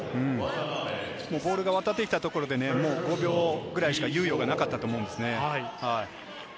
ボールが渡ってきたところで、５秒ぐらいしか猶予がなかったと思うんですよね。